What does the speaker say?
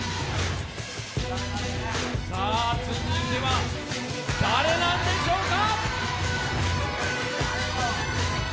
続いては誰なんでしょうか。